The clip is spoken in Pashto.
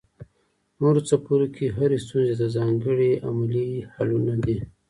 نورو څپرکو کې هرې ستونزې ته ځانګړي عملي حلونه دي.